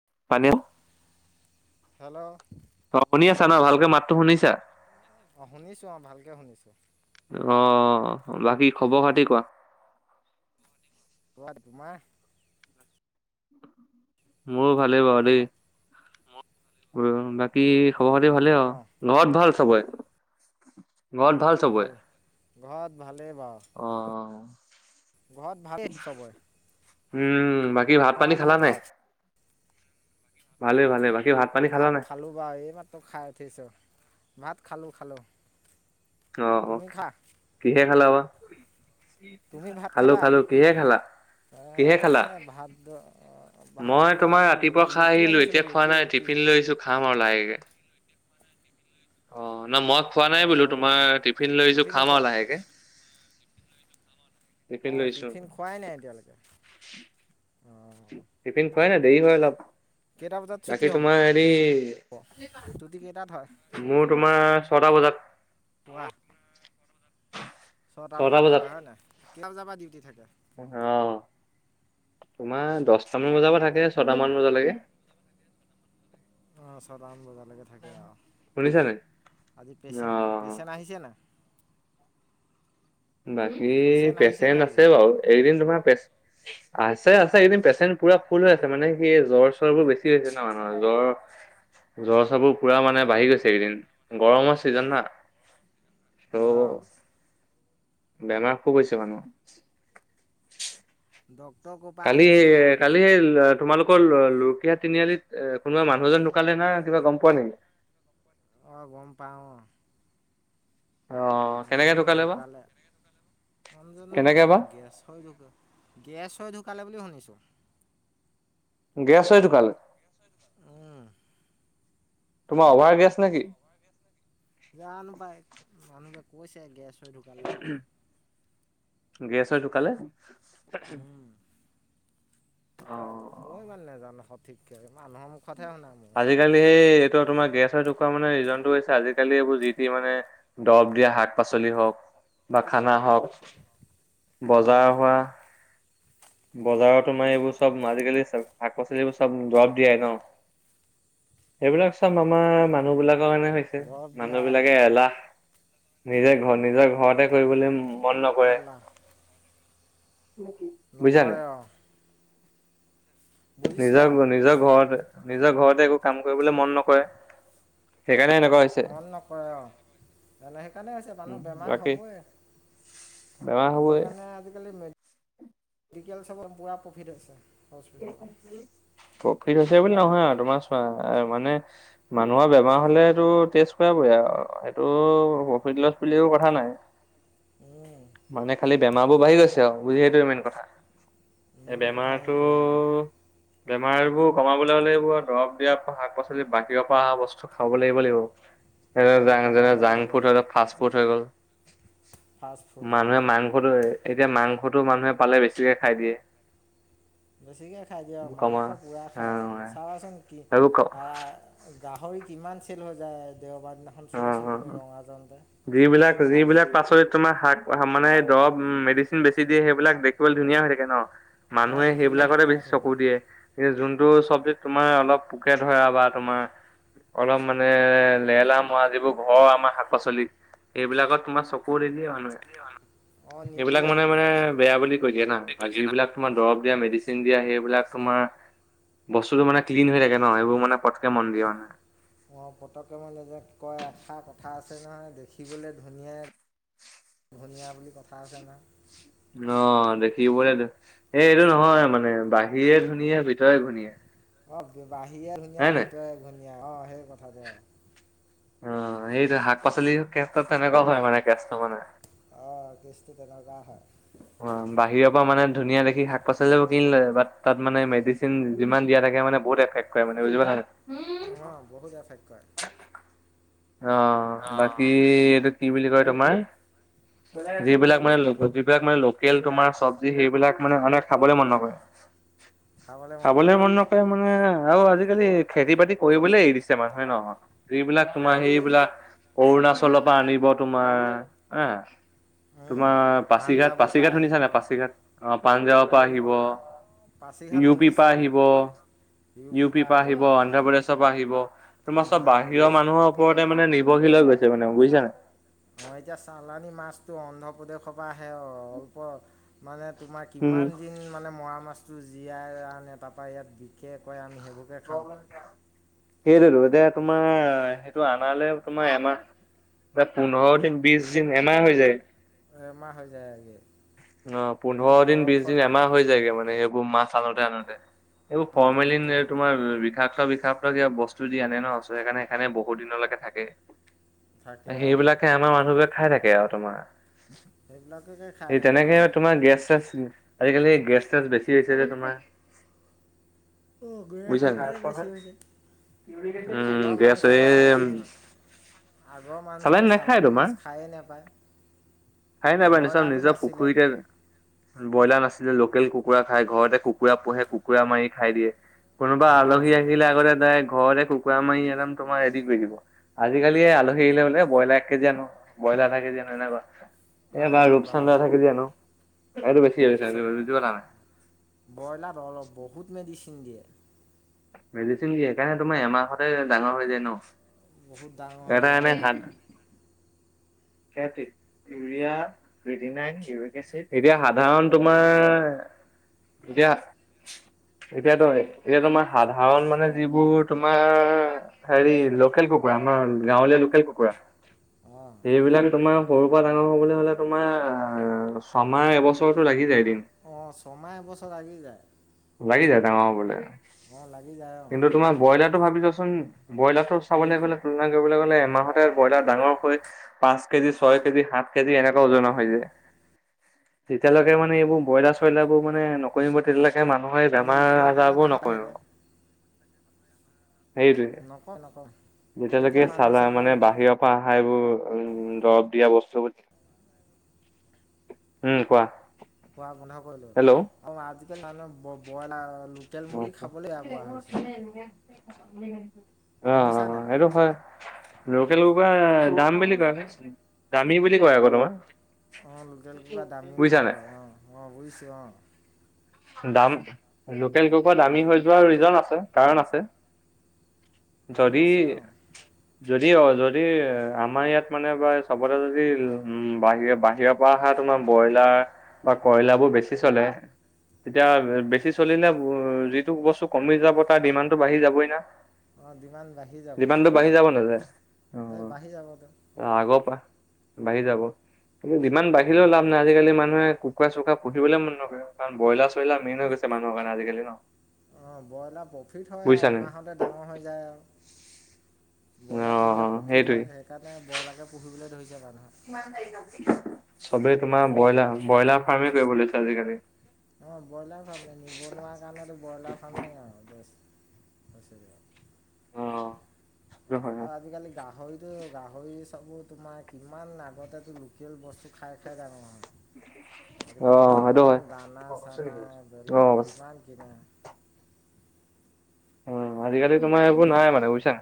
[unintelligible] Hello. অ' শুনী আছা ন, ভালকে মাতটো শুনিছা? অঁ শুনিছোঁ অঁ ভালকৈ শুনিছোঁ অ', বাকী খবৰ খাতি কোৱা। [unintelligible] তোমাৰ? মোৰো ভালেই বাৰু দেই। কেনেকুৱা উ বাকী তোমাৰ খবৰ-খাতি ভালেই ন আৰু, ঘৰত ভাল চবৰে? ঘৰত ভাল চবৰে? ঘৰত ভালেই অ বাৰু, ঘৰত ভালেই চবৰে। উম, বাকী ভাত পানী তোমাৰ খালা ভাল নাই? ঘৰত ভালে-ভালে ভাত খালোঁ বাৰু এই মাত্ৰ খাই উঠিছোঁ। ভাত খালোঁ খালোঁ। তুমি অ', খা কিহে খালা বা? তুমি ভাত খালো খালা খালো, কিহেৰে খালা? কিহে খালা? এই ভাত মই ভাতটো তোমাৰ আজি ৰাতিপুৱা খাই ৰুটি আহিলো আনিছিলোঁ এতিয়া খোৱা ৰুটি নাই, ৰুটি টিফিন লৈ আহিছো খাম আৰু লাহেক [unintelligible] অ'। না মই খোৱা নাই অঁ বোলো অঁ তোমাৰ টিফিন লৈ আহিছো খাম আৰু লাহেকে। অ', টিফিন খোৱাই নাই এতিয়ালৈকে। অঁ টিফিন খুৱাই নাই দেৰি হয় অলপ। কেইটা বজাত ছুটি বাকী হ'ব? তোমাৰ হেৰি ছুটি কেইটাত হয়? মোৰ তোমাৰ ছ'টা বজাত। কোৱা? ছটা বজাত হয় হয়নে? কেইটা বজাৰ পৰা ডিউটি থাকে? অ'। তোমাৰ দশটামান বজাৰ পৰা থাকে, ছটামান বজালৈকে। অ ছটামান বজালৈকে থাকে আৰু। শুনিছা নাই? আজি অহ পেচেণ-পেচেণ্ট আহিছে নাই? বাকী পেচেণ্ট আহিছে নাই পেচেন্ট আজি আছে বাৰু, এইকেদিন তোমাৰ পেচ আছে' আছে, এই কেদিন পেচেণ্ট পুৰা ফুল হৈ আছে, মানে সি জ্বৰ-চৰবোৰ বেছি হৈছে ন মানুহৰ জ্বৰ জ্বৰ চৰবোৰ পুৰা মানে বাঢ়ি গৈছে এই কেইদিন, গৰমৰ চিজন না। অ', অঁ বেমাৰ খুব হৈছে মানুহৰ। ডক্তৰ ক'ৰ পৰা আহে কালি-কালি সেই তোমালোকৰ ল-লুকীয়া তিনিআলিত এ, কোনোবা মানুহ এজন ঢুকালে নহয়‌, কিবা গম পোৱা নেকি? অ' গম পাওঁ অ। অ', কেনেকে মানুহজন বা? ঢুকালে। কেনেকে বা? [unintelligible] গেছ হৈ ঢুকালে বুলি শুনিছো। গেছ হৈ ঢুকাল? উম। তোমাৰ অভাৰ গেছ নেকি? জানো পায়, মানুহবোৰে কৈছে গেছ হৈ ঢুকালে বুলি। গেছ হৈ ঢুকালে। অ। মই ইমান নাজানো সঠিককৈ মানুহৰ মুখতহে শুনা মই আজিকালি সেই এইটো তোমাৰ গেছ মানুহে ঢুকোৱা মানে ৰিজন টো হৈছে, আজিকালি এইবোৰ যিটি মানে দৰব দিয়া শাক পাচলি হওঁক বা খানা হওক, অঁ বজাৰ হোৱা। বজাৰত তোমাৰ এইবোৰ চব আজিকালি শাক পাচলিবোৰ চব দৰৱ দিয়াই ন। এইবিলাক চব আমাৰ মানুহ বিলাক কাৰণে হৈছে দৰৱ দিয়া মানুহ বিলাকে এলাহ, নিজে ঘৰ নিজৰ ঘৰতে কৰিবলে মন নকৰে। এলাহ বুজিছা নে? নকৰে অ'। নিজৰ-নিজৰ ঘৰতে নিজৰ ঘৰতে একো কাম কৰিবলে মন নকৰে। সেইকাৰণে এনেকুৱা হৈছে। মন নকৰে অ', এ সেইকাৰণে হৈছে উম মানুহ বেমাৰ বাকী হ'বই। বেমাৰ হ'বই সেইকাৰণে আজিকালি মেডিকেল [inaudible] চবত পুৰা প্ৰফিট হৈছে। হস্পিটালত প্ৰফিট আছে বুলি নহয় আৰু তোমাৰছোৱা আৰু মানে মানুহৰ বেমাৰ হ'লেটো টেষ্ট কৰাবই আৰু সেইটো প্ৰফিট লৈ সেইটো কথা নাই। মানে খালি বেমাৰ বোৰ বাঢ়ি গৈছে আৰু বুজি সেইটো মেইন কথা। এই মেইন কথা বেমাৰটো সেইটোৱে আৰু বেমাৰবোৰ কমাব লৈ হলে আৰু এইবোৰ দৰব দিয়া শাক- পাচলি বাহিৰৰ পৰা অহা বস্তু খাব লাগিব, লাগিব। অঁ এ যেনে কমাব জাংক লাগিব ফুড হৈ গ'ল ফাষ্ট ফুড হৈ গ'ল। ফাষ্ট ফুড অঁ মানুহে মাংসটো, এতিয়া মাংসটো মানুহে পালে বেছিকে খাই দিয়ে। বেছিকে খাই দিয়ক কমা মাংস পুৰা অ খায় চাবাচোন কি সেইবোৰ ক গাহৰি কিমান চেল হৈ যায় দেওবাৰ দিনাখন অ চোৱাচোন তুমি অ ৰঙা জানতে। যিবিলাক যিবিলাক পাচলি তোমাৰ শাক-মানে দৰৱ মেডিচিন বেছি দিয়ে সেইবিলাক দেখিবলে ধুনীয়া হৈ থাকে ন। অঁ মানুহে দেখিবলৈ সেইবিলাকতে ধুনীয়া হৈ বেছি থাকে চকু দিয়ে, এই যোন টো চব্জিত তোমাৰ অলপ পোকে ধৰা বা তোমাৰ অলপ মানে লেলাম তোমাৰ যিবোৰ ঘৰৰ আমাৰ শাক পাচলি এইবিলাকত তোমাৰ চকু নিদিয়ে মানুহে। অঁ এইবিলাক নিদিয়ে মানুহে মানে সেইবিলাকত চবে বেয়া বুলি কৈ দিয়ে না, যিবিলাক তোমাৰ দৰব মেডিচিন দিয়া, সেইবিলাক তোমাৰ বস্তুতটো মানে ক্লিন হৈ থাকে ন, সেইবোৰ মানে পটকে মন দিয়ে মানে। অ', পতকে মান যে কয় এষাৰ কথা আছে নহয় দেখিবলৈ ধুনীয়াই ধুনীয়া বুলি কথা আছে ন। অ', দেখিবলে এই এইটো নহয় মানে বাহিৰে ধুনীয়া ভিতৰে ঘূণীয়া। অ', বাহিৰে ধুনীয়া ভিতৰে ধুনীয়া অ', সেই কথাটো অ। অ', সেইটো শাক পাচলি ক্ষেত্ৰত তেনেকুৱা হয় মানে কেচটো মানে। অ', কেচটো তেনেকোৱা হয়। অ', বাহিৰৰ পৰা মানে ধুনীয়া দেখি শাক পাচলিবোৰ কিনি লয় বাত তাত মানে মেডিচিন যিমান দিয়া থাক এতিয়া মানে বহুত এফেক্ট কৰে মানে বুজি পালা নে। অ ', বহুত এফেক্ট কৰে। অ', বাকী এইটো কি বুলি কয় তোমাৰ। যিবিলাক মানে যিবিলাক মানে লোকেল তোমাৰ চবজি সেইবিলাক মানে মানুহে খাবলে মন নকৰে। খাবলে মন নকৰে মানে আৰু আজিকালি খেতি বাতি কৰিবলে এৰি দিছে মানুহে ন। তোমাৰ বহুতে সেইবিলাক অৰুণাচলৰ পৰা আনিব তোমাৰ এ। উম তোমাৰ পাছিঘাট- পাঞ্জাৱৰ পৰা পাছিঘাট আহিব শুনিছা নে পাছিঘাট অ পাঞ্জাৱৰ অ পৰা আহিব। পাছিঘাট ইউ পি শুনিছোঁ পৰা অ আহিব। ইউ পি পৰা আহিব, অন্ধ্ৰপ্ৰদেশৰ পৰা আহিব, তোমাৰ চব বাহিৰৰ অন্ধ্ৰপ্ৰদেশ মানুহৰ ওপৰত মানে নিৰ্ভৰশীল হৈ গৈছে মানে বুজিছানাই। মই এতিয়া চালানি মাছতটো অন্ধ্ৰপ প্ৰদেশৰ পৰা। হে অ', অলপ মানে তোমাৰ উম কিমান দিন মানে মৰা মাছ বস্তু জীয়াই আনে তাৰপৰা ইয়াত বিশেষ কৈ আমি সেইবকে খাওঁ সেইটোতো এতিয়া তোমাৰ সেইটো আনালে তোমাৰ এমাহ এ পোন্ধৰ দিন বিশ দিন এমাহ হৈ যায় এ ম হৈ যায় আৰু গে অ পোন্ধৰ দিন বিশ দিন এমাহ হৈ ৰাখি যায়গে মানে সেইবোৰ মাছ আনোতে আনোতে। এইবোৰ ফৰ্মেলিন অনুদানতে এই অঁ তোমাৰ বিষাক্ত বিষাক কিব বস্তু দি আনে ন সেইকাৰণে সেইখে বহু দিনলৈকে থাকে। থাকে অঁ সেইবিলাকে আমাৰ মানুহবোক খাই থাকে আৰু তোমাৰ সেইবিলাকেকে খাই সেই থাকে তেনেকে অঁ তোমাৰ গেছ চ আজিকালি গেছ চাছ বেছি হৈছে যে তোমাৰ অ গৈ বুজিছা সে কে বেছি নাই? হৈছে। উম, আগৰ মানুহ গেছ চবে চালানী আগৰ মানুহ চবে চালানী মাছ খায়েই নাপায় হয়াই নাই বাই নি চাম ব্ৰইলাৰটো নিজা নাছিলে পুখুৰীতে ব্ৰইলাৰ নাছিলে লোকেল কুকুৰা খাই ঘৰতে কুকুৰা পোহে কুকুৰা মাৰি খাই দিয়ে। কোনোবা অঁ আলহী আহিলে আগতে তাই ঘৰতে কুকুৰা মাৰি একদম তোমাৰ ৰেড কৰি দিব আজিকালি আলহী আহিলে বোলে ব্ৰইলাৰ এক কেজি আনো থাকে যে নহ নাই বা। অঁ এইবাৰ সেনেকুৱা ৰূপচানন্দা অঁ থাকিলি জানো এইটো ব [unintelligible] ব্ৰইলাৰ অলপ বহুত মেডিচিন দিয়ে। মেডিচিন দিয় সেইকাৰণে তোমাৰ এমাহতে ডাঙৰ হৈ যায় ন বহুত ডাঙৰ হৈ এটা যায় অ। ইউৰিয়া কিটিনাইন ইউৰিক এচিড এতিয়া সাধাৰণ তোমাৰ। এতিয়া এতিয়াাতো এতিয়া তোমাৰ সাধাৰণ মানে যিবোৰ। তোমাৰ হেৰি লোকেল কুকুৰা আমাৰ গাঁৱলীয়া লোকেল কুকুৰা অঁ। সেইবিলাক তোমাৰ সৰুৰ পৰা ডাঙৰ হবলৈ হলে তোমাৰ ছমাহ এবছৰৰতো লাগি যায় দিন। অ ছমাহ এবছৰ লগি যায়। লাগি যায় ডাঙও বোলে অ লাগ। কিন্তু তোমাৰ ব্ৰইলাৰ ভোন ব্ৰইলাৰ চ তলে এমাহ ব্ৰইলাৰাঙৰ। কেজি ছয় কেজি সাত কেজি এনেকুৱা উজনা হৈ যায় যেতিয়ালৈকে মানে এইবোৰ ব্ৰইলাৰ চইলাৰ বোৰ মানে নকৰিব তেতিয়ালৈকে। এনেকে মানুহে এনে বেমাৰ লোকেল কুকুৰা আজাৰ বোৰ ডাঙৰ হৈ নকৰে থাকে আৰু নকয় নকয় যেতিয়ালৈকে চালা মানে বাহিৰৰ পৰা অহা এইবোৰ উম দৰব। বস্তু উম, কোৱা। হেল্ল' [inaudible] [unintelligible] মুৰ্গী অ', খাবলৈ বেয়া পোৱা অ', হৈছে শুনিছা নাই সেইটো হয়। লোকেল অঁ সোপা দাম বে [unintelligible] বেছি, দামি বুলি কয় আকৌ তোমাৰ। অ', লোকেল কুকুৰা দামী বুজিছা বুলি নাই কয়। অ', অ', বুজিছোঁ অ'। দাম লোকেল কুকুৰা দামী হৈ যোৱাৰ ৰিজন আছে কাৰণ আছে কাৰণ যদি আছে অঁ য দ অ যদি আমাৰ ইয়াত মানে বা চবতে যদি উ বাহিৰে বাহিৰৰ পৰা অহা তোমাৰ ব্ৰইলাৰ বা কয়লাৰ বোৰ বেছি চলে এতিয়া বেছি চলিলে যিটো বস্তু কমি যাব তাৰ ডিমাণ্ডটো বাঢ়ি যাবই না অ ডিমাণ্ড বাঢ়ি যাবই ডিমাণ্ডটো বাঢ়ি যাব নাযায় অ এই বাঢ়ি যাব। আগৰ পৰা বাঢ়ি যাব কিন্তু যিমান বাঢ়িলেও লাভ নাই, আজিকালি মানুহে কুকুৰা -চুকুৰা পুহিবলে মন নকৰে। কাৰণ ব্ৰইলাৰ- শৈলাৰ মেইন হৈ গৈছে মানুহৰ কাৰণে আজিকালি ন। অ ব্ৰইলাৰ প্ৰফিট হয় বুজিছা আয় আৰু নাই এমাহতে ডাঙৰ হৈ যায় আৰ অ ব্ৰইলাৰ পুহিলে প্ৰফিট সেইটোৱে হয় সেইকাৰণে ব্ৰইলাৰকে পুহিবলৈ ধৰিছে মানুহ। কিমান তাৰিক আজি, চবেই তোমাৰ ব্ৰইলাৰ ব্ৰইলাৰ ফাৰ্মে কৰিব আজিকালি অ ব্ৰইলাৰ ফাৰ্ম নে নিবনুৱা কাৰণেতো ব্ৰইলাৰ ফামেই আৰু বেষ্ট। আহ আৰু আজিকালি গাহৰি- এইটো গাহৰি চাব তোমাৰ কিমান আগতেটো লোকেল বস্তু খাই খাই ডাঙৰ ডাঙৰ হয়। অ আজিকালি সেইটো কিমান হয় দানা- চানা তৰিলওক অ বেলেগ কিমান কিনা। অ আজিকালি তোমাৰ আজি এইবোৰ নাই মানে বুজিছা?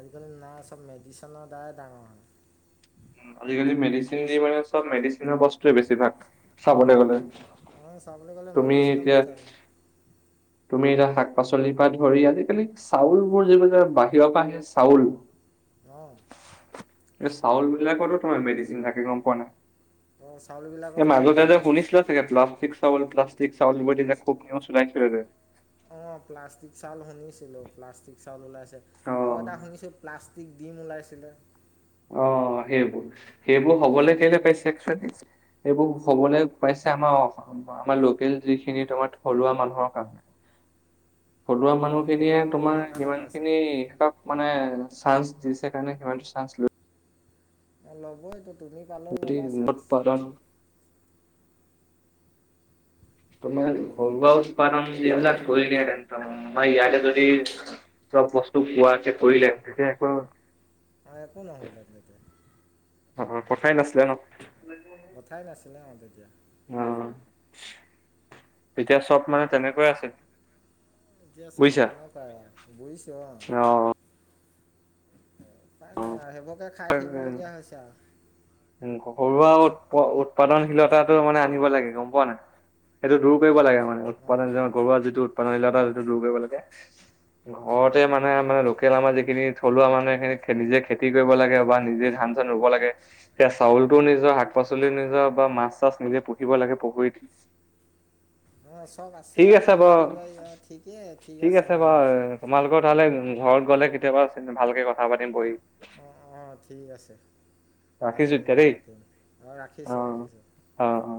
আজিকালি নাই চব মেডিচিনৰ দ্বাৰাই ডাঙৰ হয়। হু আজিকালি মেডিচিন দি মানে চব মেডিচিন বস্তয়ে বছিভাগ। চাবলৈ গ'লে অঁ চাবলৈ গ'লে তুমি মেডিচিনৰ এতিয়া বস্তু আৰু তুমি শাক -পাচলি [unintelligible] ধৰি আজিকালি চাউলবোৰ, যিবিলাক বাহিৰৰ পৰা আহে চাউল অঁ এই চাউল বিলাকতো তোমাৰ মেডিচিন থাকে গম পোৱানে অঁ নাই। এই চাউলবিলাকতো থাকে মাজতে যে মেডিচিন শুনিছিলোঁ তে প্লাষ্টিক- চাউল প্লাষ্টিক চাউল [unintelligible] [unintelligible] [unintelligible] অ' প্লাষ্টিক চাউল শুনিছিলোঁ প্লাষ্টিক চাউল ওলাইছে অ বুলি আৰু এটা শুনিছোঁ প্লাষ্ট- ডিম ওলাইছিলে, অ সেইবোৰ সেইবোৰ হবলৈ কেলে পাইছে এচুৱেইলি সেইবোৰ হবলৈ পাইছে আমাৰ অস আমাৰ লোকেল যিখিনি তোমাৰ থলুৱা মানুহৰ কাম। থলুৱা অঁ থলুৱা মানুহখিনিয়ে তোমাৰ মানুহৰ কাৰণে পাইছে সিমানখিনি তাত মানে চান্স- দিছে কাৰণে ইমান চান্স ল'ল। ল'ব এইটো। [unintelligible] তোমাৰ চান্স ঘৰুৱা উৎপাদন এইবিলাক কৰিলে হেতেন ইয়াতে যদি চব বস্তু পুৱাতে কৰিলে এতিয়া একো - [unintelligible] অ', কথাই নাছিলে ন, কথাই নাছিলে অ তেতিয়া। অ'তেতিয়া চব মানে তেনেকৈয়ে আছিল। তেতিয়া সব বুজিছা তেনেকুৱাই বুজিছোঁ অ। উপায়নাই হেইখায় থাকিবলগীয়া হৈছে আৰু। ঘৰুৱা উৎ উৎপাদনশীলতাটো মানে আহিব লাগে গম পোৱানে নাই সেইটো দূৰ কৰিব লাগে আমাৰ। অঁ উৎপাদন ঘৰুৱা যিটো উৎপাদনশিলতা সিটো দূৰ কৰিব লাগে। ঘৰতে মানে দূৰ মানে কৰিব লোকেল আমাৰ যিখিনি থলুৱা মানুহে খেলি যে খেতি কৰিব লাগে। কেবা নিজে ধান -চান ৰুব লাগে সেয়া চাউলটো নিজৰ শাক -পাচলি নিজৰ বা মাছ - তাছ নিজে পুহি - [unintelligible] লাগে পখুৰীত অ চব আছেই আমাৰ মাটি বাৰী অ ঠিকেই ঠিক আছে অ হ'ব। উ ঘৰত গ'লে কেতিয়াবা ভালকৈ কথা পাতিম বহি। অঁ অঁ ঠিক আছে ৰাখিছো পাতিম এতিয়া বাৰু দেই। পাতিম অ ৰাখিছোঁ। অ', অ'।